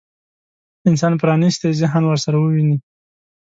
انسان پرانيستي ذهن ورسره وويني.